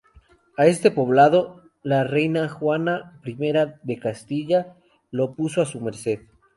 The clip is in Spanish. A este poblado, la reina Juana I de Castilla lo puso a Su Merced.